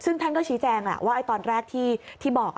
ซึ่งท่านก็ชี้แจงแหละว่าตอนแรกที่บอก